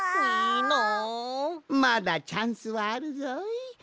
まだチャンスはあるぞい。